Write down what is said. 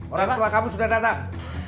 orang tua kamu sudah datang